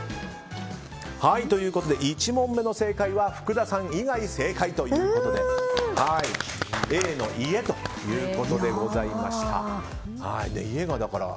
１問目は福田さん以外正解ということでＡの家ということでございました。